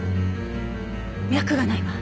脈がないわ。